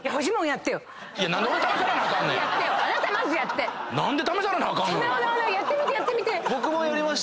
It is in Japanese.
やってみてやってみて！